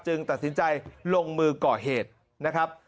ตัดสินใจลงมือก่อเหตุนะครับ